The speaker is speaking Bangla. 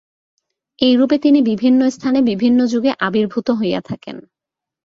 এইরূপে তিনি বিভিন্ন স্থানে বিভিন্ন যুগে আবির্ভূত হইয়া থাকেন।